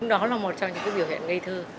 đó là một trong những cái biểu hiện ngây thơ